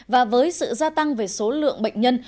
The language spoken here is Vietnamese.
và với sự gia tăng về số lượng bệnh nhân